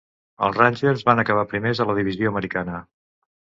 Els Rangers van acabar primers a la divisió americana.